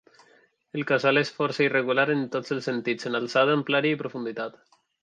El casal és força irregular en tots els sentits: en alçada, amplària i profunditat.